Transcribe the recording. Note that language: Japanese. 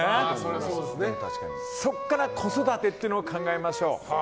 そこから子育てっていうのを考えましょう。